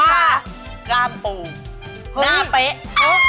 กล้ามปูหน้าเป๊ะ